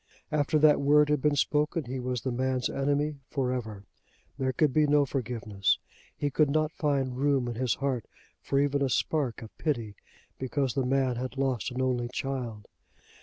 After that word had been spoken he was the man's enemy for ever. There could be no forgiveness. He could not find room in his heart for even a spark of pity because the man had lost an only child.